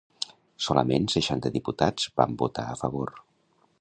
Solament seixanta diputats van votar a favor.